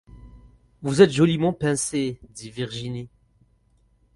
Vous êtes joliment pincée, dit Virginie.